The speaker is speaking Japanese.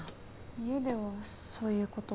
家ではそういう事は。